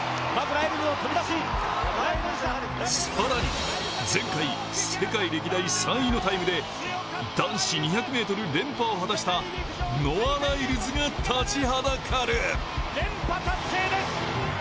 更に前回、世界歴代３位のタイムで男子２００ｍ連覇を果たしたノア・ライルズが立ちはだかる。